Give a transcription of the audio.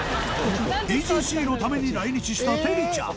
ＴＧＣ のために来日したテリちゃん